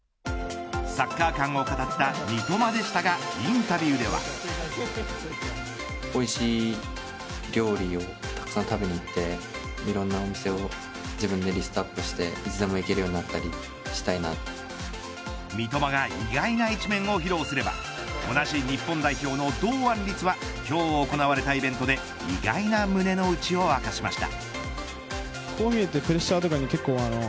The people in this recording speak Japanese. サッカー感を語った三笘でしたがインタビューでは三笘が以外な一面を披露すれば同じ日本代表の堂安律は今日行われたイベントで意外な胸の内を明かしました。